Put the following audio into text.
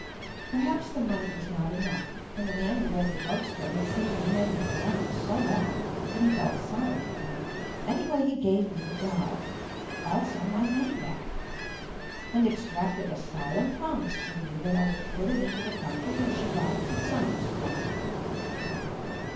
Perhaps the money was not enough, and the man who ran the drug store had seen me hanging around so long that he felt sorry for me. Anyway, he gave me the doll, also my money back, and extracted a solemn promise from me that I would put it into the contribution box at Sunday school.